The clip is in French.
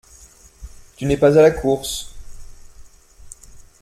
Tu n’es pas à la course…